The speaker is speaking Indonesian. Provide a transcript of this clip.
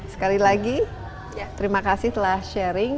sekali lagi terima kasih telah sharing